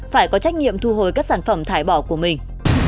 phải có trách nhiệm thu hồi các sản phẩm thải bỏ của mình